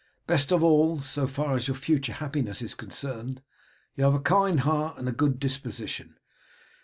Best of all, so far as your future happiness is concerned, you have a kind heart and a good disposition.